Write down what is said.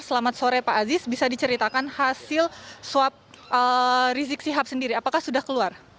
selamat sore pak aziz bisa diceritakan hasil swab rizik sihab sendiri apakah sudah keluar